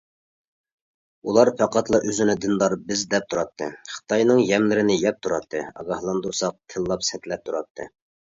ئۇلار پەقەتلا ئۆزىنى دىندار بىز دەپ تۇراتتى، خىتاينىڭ يەملىرىنى يەپ تۇراتتى، ئاگاھلاندۇرساق تىللاپ، سەتلەپ تۇراتتى.